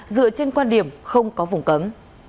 dựa trên quan điểm không có vùng cấm